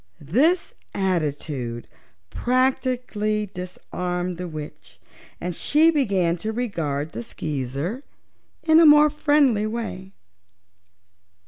This attitude practically disarmed the witch and she began to regard the Skeezer in a more friendly way.